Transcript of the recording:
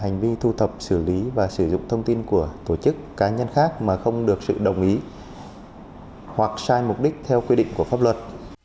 chính phủ đã xác định là hành vi thu thập xử lý và sử dụng thông tin của tổ chức cá nhân khác mà không được sự đồng ý hoặc sai mục đích theo quy định của pháp luật